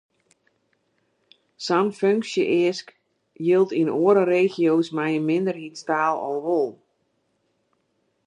Sa’n funksje-eask jildt yn oare regio’s mei in minderheidstaal al wol.